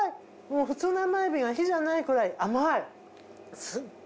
普通の甘エビが比じゃないくらい甘い。